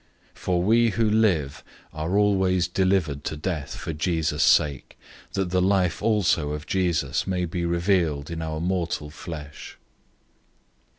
004:011 For we who live are always delivered to death for Jesus' sake, that the life also of Jesus may be revealed in our mortal flesh.